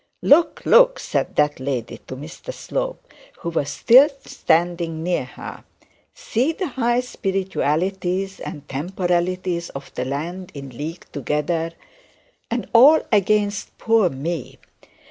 'Look, look,' said that lady to Mr Slope, who was still standing near to her; 'see the high spiritualities and temporalities of the land in league together, and all against poor me.